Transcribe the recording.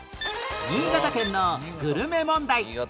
新潟県のグルメ問題